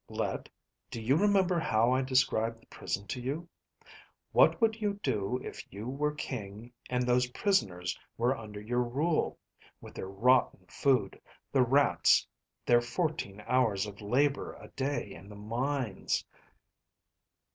"Let, do you remember how I described the prison to you? What would you do if you were king and those prisoners were under your rule, with their rotten food, the rats, their fourteen hours of labor a day in the mines